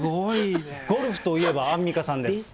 ゴルフといえばアンミカさんえ？